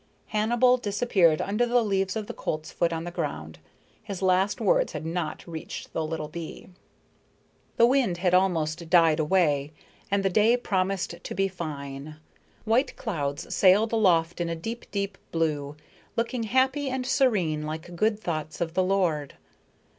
Hannibal disappeared under the leaves of the coltsfoot on the ground. His last words had not reached the little bee. The wind had almost died away, and the day promised to be fine. White clouds sailed aloft in a deep, deep blue, looking happy and serene like good thoughts of the Lord.